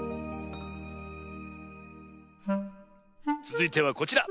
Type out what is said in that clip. つづいてはこちら。